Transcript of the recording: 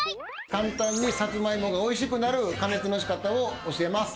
簡単にサツマイモがおいしくなる加熱のしかたを教えます。